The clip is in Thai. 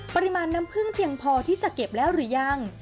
ปริมาณน้ำพึ่งเพียงพอที่จะเก็บแล้วหรือยัง